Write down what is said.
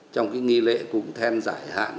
trong cái nghi lễ cũng then giải hạn